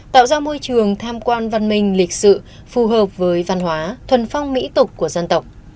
tạo ra môi trường tham quan văn minh lịch sự phù hợp với văn hóa thuần phong mỹ tục của dân tộc